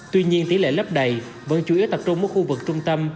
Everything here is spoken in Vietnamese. tuy nhiên tỷ lệ lấp đẩy vẫn chủ yếu tập trung một khu vực trung tâm